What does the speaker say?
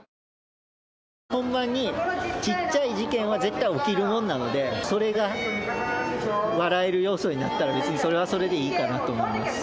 本番にちっちゃい事件は絶対起きるものなのでそれが笑える要素になったら別にそれはそれでいいかなと思います